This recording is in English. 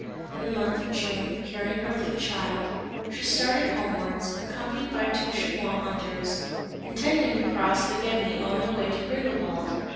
In the month of June, carrying her little child, she started homewards, accompanied by two chamois hunters; intending to cross the Gemmi on their way to Grindelwald.